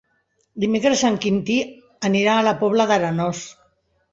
Dimecres en Quintí anirà a la Pobla d'Arenós.